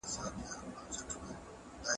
که پیژندپاڼه وي نو نوم نه ورکیږي.